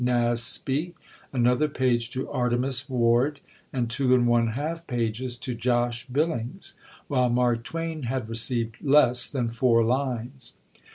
Nasby, another page to Artemus Ward, and two and one half pages to Josh Billings, while Mark Twain had received less than four lines.